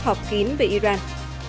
học kín về iran